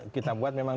kita buat memang